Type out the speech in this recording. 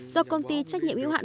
do công ty trách nhiệm yếu hạn